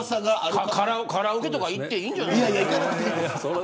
カラオケとか行っていいんじゃないの。